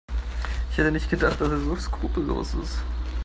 Ich hätte nicht gedacht, dass er so skrupellos ist.